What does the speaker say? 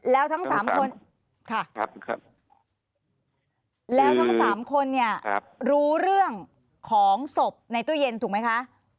แล้วทั้งสามคนค่ะแล้วทั้งสามคนเนี่ยรู้เรื่องของศพในตู้เย็นถูกไหมคะ